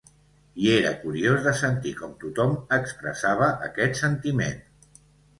I era curiós de sentir com tothom expressava aquest sentiment